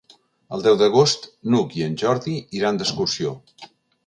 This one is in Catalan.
El deu d'agost n'Hug i en Jordi iran d'excursió.